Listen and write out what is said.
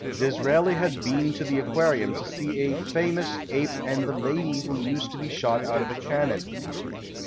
Disraeli had been to the Aquarium to see a famous ape and the lady who used to be shot out of a cannon.